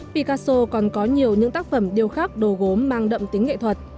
picasso còn có nhiều những tác phẩm điều khác đồ gốm mang đậm tính nghệ thuật